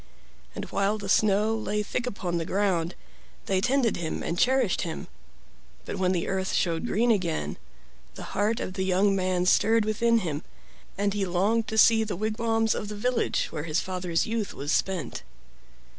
And while the snow lay thick upon the ground they tended him and cherished him; but when the earth showed green again the heart of the young man stirred within him, and he longed to see the wigwams of the village where his father's youth was spent.